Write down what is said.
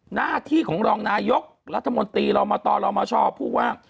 หน้าที่ของรองนายกรัฐมนตรีรองตรอมชพูดว่า